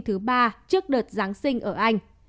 thứ ba trước đợt giáng sinh ở anh